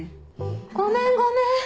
・ごめんごめん